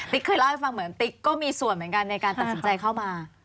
เคยเล่าให้ฟังเหมือนติ๊กก็มีส่วนเหมือนกันในการตัดสินใจเข้ามา